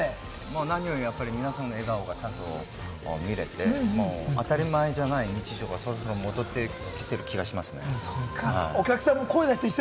何よりも皆さんの笑顔がちゃんと見れて、当たり前じゃない日常が戻ってきている気がしますね。